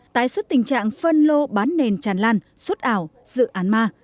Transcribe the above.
tái xuất tình trạng phân lô bán nền tràn lan xuất ảo dự án ma